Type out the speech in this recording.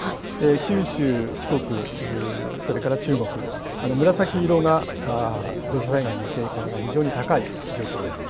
九州、四国、それから中国、紫色が土砂災害の警戒が非常に高い状況です。